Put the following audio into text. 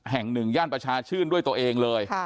แห่งหนึ่งย่านประชาชื่นด้วยตัวเองเลย